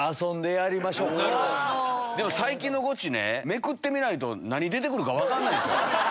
でも最近のゴチねめくってみないと何出て来るか分かんないんすよ。